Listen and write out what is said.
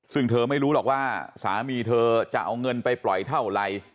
ซึ่งเธอไม่รู้หรอกว่าสามีเธอจะเอาเงินไปปล่อยเท่าไร